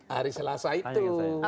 hari selesai itu